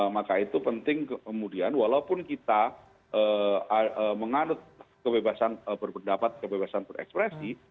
maka itu penting kemudian walaupun kita menganut kebebasan berpendapat kebebasan berekspresi